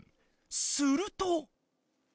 すると。